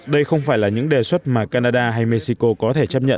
đây không phải là những đề xuất mà canada hay mexico có thể chấp nhận